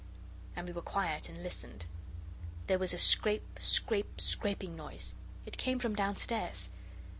and we were quiet and listened. There was a scrape, scrape, scraping noise; it came from downstairs.